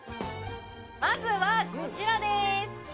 まずはこちらです